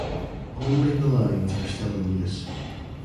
Only the lines are still in use.